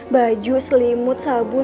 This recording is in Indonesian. baju selimut sabun